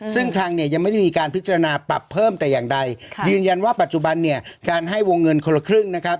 ซึ่งคลังเนี่ยยังไม่ได้มีการพิจารณาปรับเพิ่มแต่อย่างใดยืนยันว่าปัจจุบันเนี่ยการให้วงเงินคนละครึ่งนะครับ